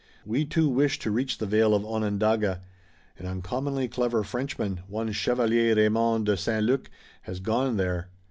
We too wish to reach the vale of Onondaga. An uncommonly clever Frenchman, one Chevalier Raymond de St. Luc, has gone there.